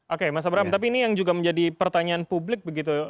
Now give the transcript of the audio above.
oke mas abraham tapi ini yang juga menjadi pertanyaan publik begitu